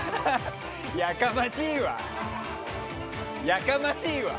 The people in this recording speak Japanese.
やかましいわ！